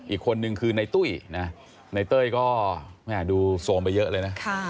อีกคนนึงคือในตุ้ยนะในเต้ยก็แม่ดูโซมไปเยอะเลยนะ